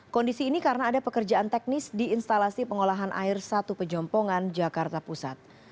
kondisi ini karena ada pekerjaan teknis di instalasi pengolahan air satu pejompongan jakarta pusat